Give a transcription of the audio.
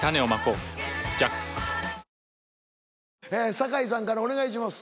酒井さんからお願いします。